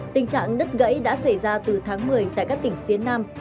tình trạng đứt gãy đã xảy ra từ tháng một mươi tại các tỉnh phía nam